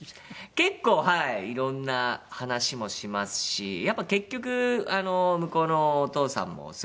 結構はいいろんな話もしますしやっぱ結局向こうのお父さんもすごくねえ。